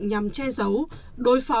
nhằm che giấu đối phó